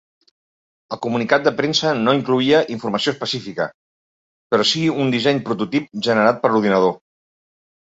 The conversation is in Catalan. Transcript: El comunicat de premsa no incloïa informació específica, però sí un disseny prototip generat per ordinador.